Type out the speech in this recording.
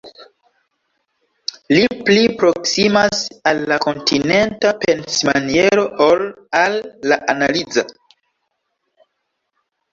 Li pli proksimas al la kontinenta pensmaniero ol al la analiza.